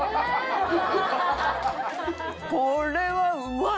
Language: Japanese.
これはうまい！